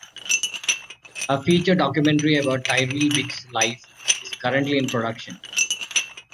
A feature documentary about Tyrell Biggs' life is currently in production.